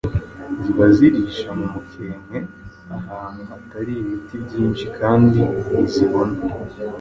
Ziba zirisha mu mukenke ahantu hatari ibiti byinshi kandi ntizibona